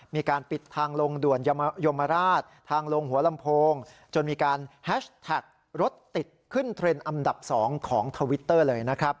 มีการปิดทางลงด่วนยมราชทางลงหัวลำโพงจนมีการแฮชแท็กรถติดขึ้นเทรนด์อันดับ๒ของทวิตเตอร์เลยนะครับ